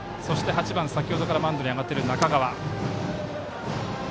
８番、先ほどからマウンドに上がっている中川。